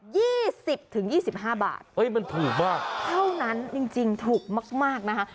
สิบถึงยี่สิบห้าบาทเฮ้ยมันถูกมากเท่านั้นจริงจริงถูกมากมากนะคะ